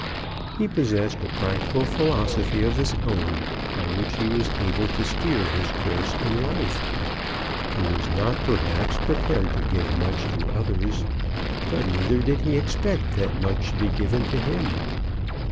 He possessed a practical philosophy of his own, by which he was able to steer his course in life. He was not, perhaps, prepared to give much to others, but neither did he expect that much should be given to him.